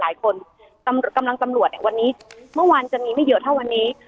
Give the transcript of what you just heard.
คนตำรวจกำลังตำรวจเนี่ยวันนี้เมื่อวานจะมีไม่เยอะเท่าวันนี้